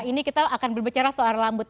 ini kita akan berbicara soal rambut